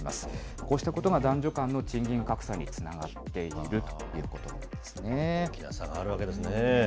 こうしたことが男女間の賃金格差につながっているということなん大きな差があるわけですね。